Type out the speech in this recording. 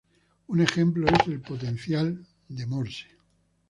Un ejemplo es el potencial de Morse.